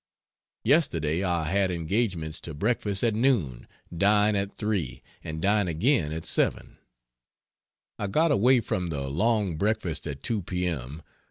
Yesterday I had engagements to breakfast at noon, dine at 3, and dine again at 7. I got away from the long breakfast at 2 p. m.